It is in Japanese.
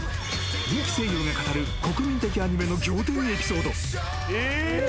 人気声優が語る国民的アニメの仰天エピソード。